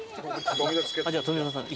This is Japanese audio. じゃあ富澤さん